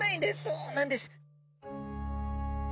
そうなんです。